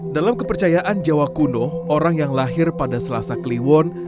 dalam kepercayaan jawa kuno orang yang lahir pada selasa kliwon